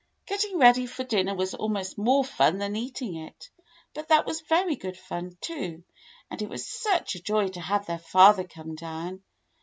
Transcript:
Getting ready for the dinner was almost more fun than eating it, but that was very good fun, too, and it was such a joy to have their father come down.